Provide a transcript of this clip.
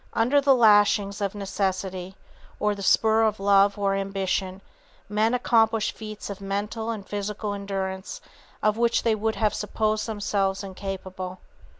Under the lashings of necessity, or the spur of love or ambition, men accomplish feats of mental and physical endurance of which they would have supposed themselves incapable.